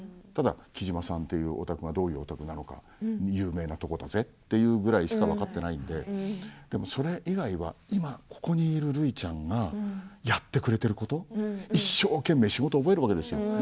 ただ雉真さんというお宅がどういうお宅なのか有名なところだぜというところしか分かっていなくてそれ以外は今ここにいるるいちゃんがやってくれていること一生懸命仕事を覚えるわけですよ。